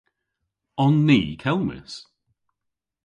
On ni kelmys?